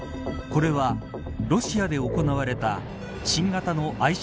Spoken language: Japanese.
これはロシアで行われた新型のＩＣＢＭ